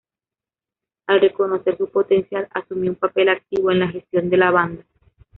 Al reconocer su potencial, asumió un papel activo en la gestión de la banda.